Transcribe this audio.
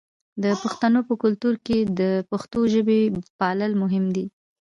د پښتنو په کلتور کې د پښتو ژبې پالل مهم دي.